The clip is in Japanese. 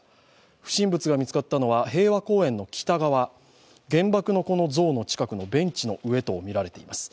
不審物が見つかったのは平和公園の北側原爆の子の像の近くのベンチの上とみられています。